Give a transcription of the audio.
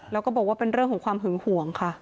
แล้วก็บอกว่าเป็นเรื่องของความหึงห่วงค่ะ